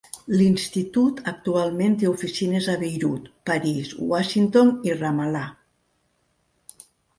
L'Institut actualment té oficines a Beirut, París, Washington i Ramallah.